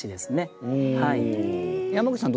山口さん